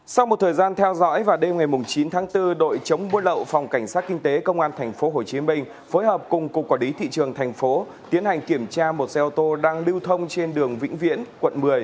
sau một thời gian theo dõi vào đêm ngày chín tháng bốn đội chống buôn lậu phòng cảnh sát kinh tế công an tp hcm phối hợp cùng cục quản lý thị trường thành phố tiến hành kiểm tra một xe ô tô đang lưu thông trên đường vĩnh viễn quận một mươi